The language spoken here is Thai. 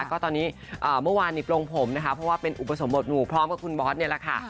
ก็ตอนนี้เมื่อวานนี้ปลงผมนะคะเพราะว่าเป็นอุปสมบทหนูพร้อมกับคุณบอสนี่แหละค่ะ